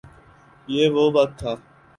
یہ وہ وقت تھا۔